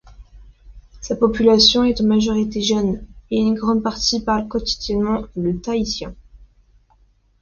Sa population est en majorité jeune, et une grande partie parle quotidiennement le tahitien.